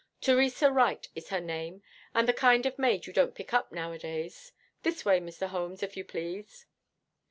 Theresa Wright is her name, and the kind of maid you don't pick up nowadays. This way, Mr. Holmes, if you please!'